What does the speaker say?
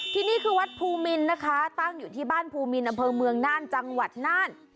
ที่นี่คือวัดภูมินนะคะตั้งอยู่ที่บ้านภูมิอำเภอเมืองน่านจังหวัดน่าน